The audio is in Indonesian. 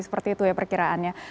seperti itu ya perkiraannya